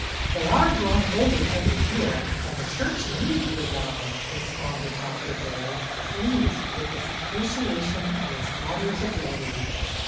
" They are growing older every year, and the church needs the young," responded Doctor Baird, pleased with this appreciation of his daughter's ability.